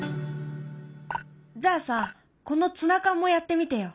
じゃあさこのツナ缶もやってみてよ。